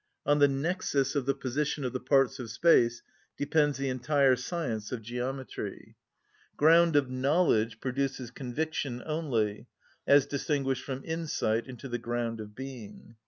On the nexus of the position of the parts of space depends the entire science of geometry. Ground of knowledge produces conviction only, as distinguished from insight into the ground of being.